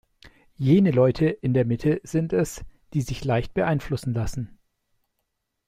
Jene Leute in der Mitte sind es, die sich leicht beeinflussen lassen.